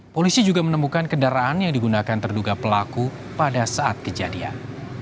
polisi juga menemukan kendaraan yang digunakan terduga pelaku pada saat kejadian